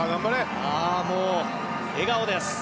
もう笑顔です。